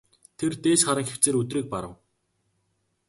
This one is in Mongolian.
Тэр дээш харан хэвтсээр өдрийг барав.